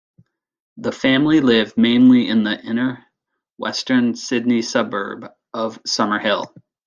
The family lived mainly in the inner western Sydney suburb of Summer Hill.